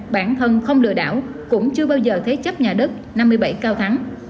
bản thân không lừa đảo cũng chưa bao giờ thế chấp nhà đất năm mươi bảy cao thắng